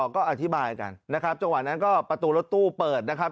ก็อธิบายกันนะครับจังหวะนั้นก็ประตูรถตู้เปิดนะครับ